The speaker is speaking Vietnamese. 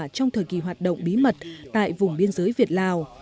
trong thời kỳ hoạt động bí mật tại vùng biên giới việt lào